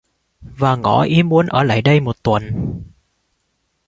Và ngỏ ý muốn ở lại đây một tuần